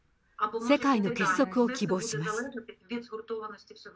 世界の結束を希望します。